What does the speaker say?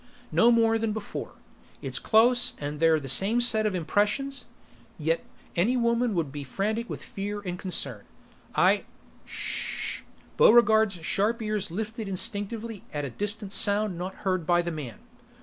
"No more than before. It's close and they're the same set of impressions Yet, any woman would be frantic with fear and concern." "I ... shhh!" Buregarde's sharp ears lifted instinctively at a distant sound not heard by the man.